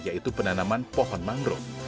yaitu penanaman pohon mangrove